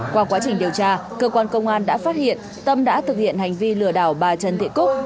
qua quá trình điều tra cơ quan công an đã phát hiện tâm đã thực hiện hành vi lừa đảo bà trần thị cúc